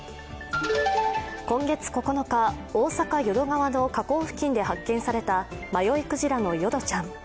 今月９日、大阪・淀川の河口付近で発見された迷いクジラのヨドちゃん。